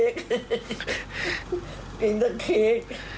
กินสักเค้ก